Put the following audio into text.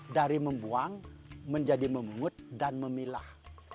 dari membuang menjadi memungut dan memilah